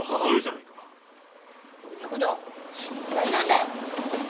おれのこと嫌いなんだよ。